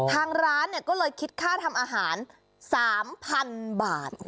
ทางร้านก็เลยคิดค่าทำอาหาร๓๐๐๐บาท